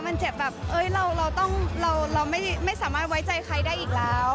มันเจ็บแบบเราต้องเราไม่สามารถไว้ใจใครได้อีกแล้ว